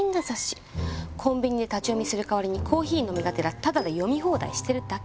コンビニで立ち読みする代わりにコーヒー飲みがてらタダで読み放題してるだけ。